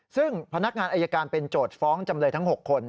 ซึ่งพนักงานอายการเป็นโจทย์ฟ้องจำเลยทั้ง๖คน